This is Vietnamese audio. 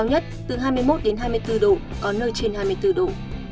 nhiệt độ cao nhất từ hai mươi một hai mươi bốn độ có nơi trên hai mươi bốn độ